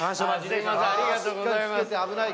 ありがとうございます。